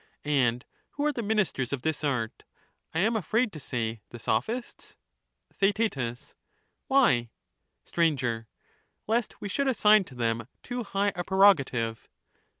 And who are the ministers of this art ? I am afraid 231 to say the Sophists. Theaet. Why? Str. Lest we should assign to them too high a prerogative.